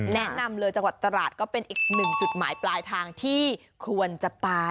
แนะนำเลยจังหวัดตราดก็เป็นอีกหนึ่งจุดหมายปลายทางที่ควรจะไป